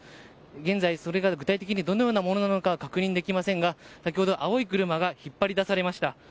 現在それが具体的にどのようなものなのかは確認できませんが先ほど青い車が引っ張り出されました。